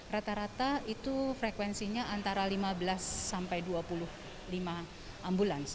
rata rata itu frekuensinya antara lima belas sampai dua puluh lima ambulans